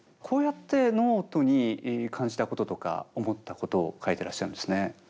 こうやってノートに感じたこととか思ったことを書いてらっしゃるんですね。